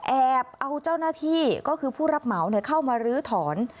แอบเอาเจ้าหน้าที่ก็คือผู้รับเหมาเข้ามาลื้อถอน